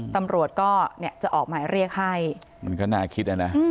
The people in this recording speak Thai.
ตำรวจก็เนี่ยจะออกหมายเรียกให้มันก็น่าคิดนะ